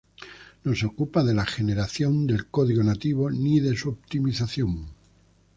No se ocupa de la generación de código nativo, ni de su optimización.